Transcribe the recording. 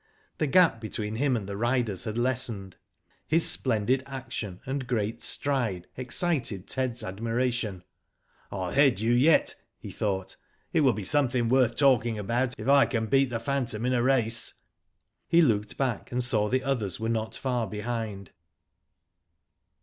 The gap between him and the riders had less ened. His splendid action and great stride excited Ted's admiration. Digitized byGoogk A \ RATTLING GALLOP, 107 "PU head you yet," he thought. "It will be something worth talking about if I can beat the phantom in a race." He looked back, and saw the others were not far behind.